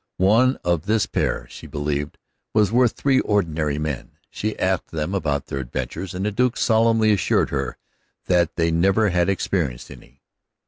One of this pair, she believed, was worth three ordinary men. She asked them about their adventures, and the Duke solemnly assured her that they never had experienced any.